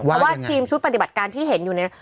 เพราะว่าทีมชุดปฏิบัติการที่เห็นอยู่เนี่ย